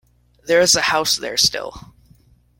There is a house there still.